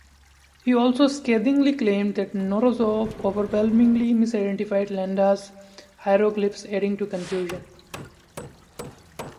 He also scathingly claimed that Knorozov overwhelmingly misidentified Landa's hieroglyphs, adding to confusion.